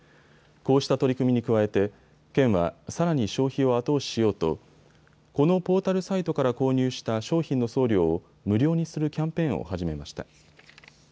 こうした取り組みに加えて県はさらに消費を後押ししようとこのポータルサイトから購入した商品の送料を無料にするキャンペーンを始めました。